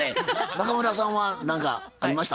中村さんは何かありました？